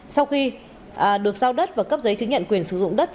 sau khi được giao đất và cấp giấy chứng nhận quyền sử dụng đất